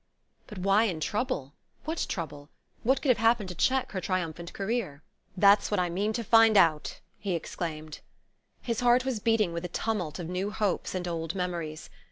But why in trouble? What trouble? What could have happened to check her triumphant career? "That's what I mean to find out!" he exclaimed. His heart was beating with a tumult of new hopes and old memories.